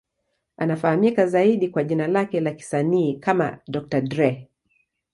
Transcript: Anafahamika zaidi kwa jina lake la kisanii kama Dr. Dre.